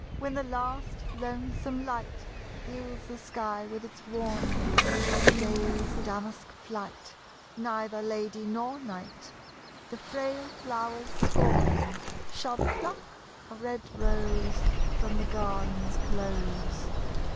When the last lonesome light Fills the sky with its warning 44 LOVE LIES A COLI). Of day's damask flight, Neither lady nor knight, The frail flowers scorning, Shall pluck a red rose From the garden's close.